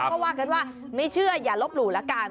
ก็ว่ากันว่าไม่เชื่ออย่าลบหลู่ละกัน